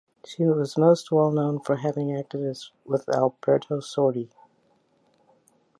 She was most well known for having acted with Alberto Sordi.